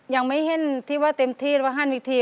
ยังไม่เห็นที่ว่าเต็มที่หรือว่าห้ามวิธี